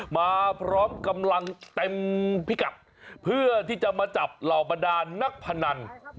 มาพร้อมกำลังเต็มพิกัดเพื่อที่จะมาจับเหล่าบรรดานนักพนัน